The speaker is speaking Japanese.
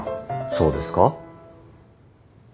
そうですか？